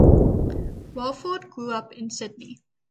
Walford grew up in Sydney.